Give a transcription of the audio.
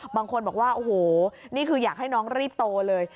บางคนบอกว่าโอ้โหนี่คืออยากให้น้องรีบโตเลย